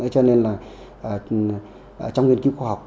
cho nên là trong nghiên cứu khoa học